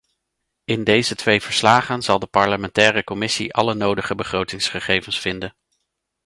In deze twee verslagen zal de parlementaire commissie alle nodige begrotingsgegevens vinden.